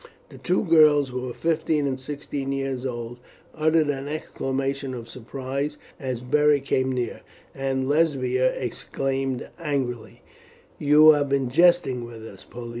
The two girls, who were fifteen and sixteen years old, uttered an exclamation of surprise as Beric came near, and Lesbia exclaimed angrily: "You have been jesting with us, Pollio.